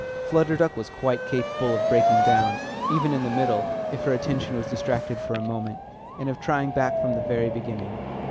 Flutter Duck was quite capable of breaking down, even in the middle, if her attention was distracted for a moment, and of trying back from the very beginning.